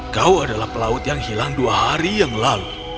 kau adalah pelaut yang hilang dua hari yang lalu